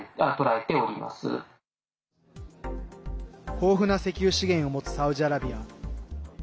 豊富な石油資源を持つサウジアラビア。